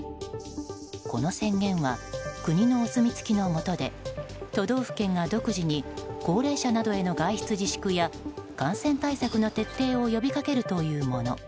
この宣言は国のお墨付きの下で都道府県が独自に高齢者などへの外出自粛や感染対策の徹底を呼びかけるというもの。